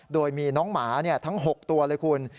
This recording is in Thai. โดยมีน้องหมาทั้ง๖ตัวเลยคุณ